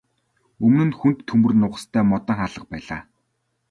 Өмнө нь хүнд төмөр нугастай модон хаалга байлаа.